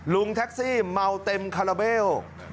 ลุงแท็กซี่เมาเต็มคาราเบล